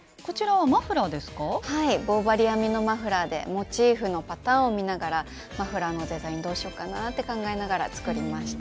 はい棒針編みのマフラーでモチーフのパターンを見ながらマフラーのデザインどうしようかなって考えながら作りました。